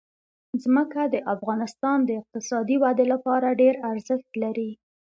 ځمکه د افغانستان د اقتصادي ودې لپاره ډېر ارزښت لري.